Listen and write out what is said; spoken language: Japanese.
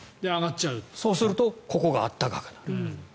そうするとここが暖かくなる。